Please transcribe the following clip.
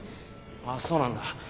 ああそうなんだ。